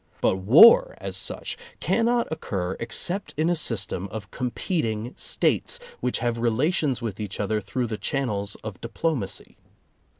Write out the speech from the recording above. But war, as such, can not occur except in a system of competing States, which have relations with each other through the channels of diplomacy.